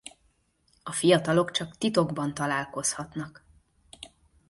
A fiatalok csak titokban találkozhatnak.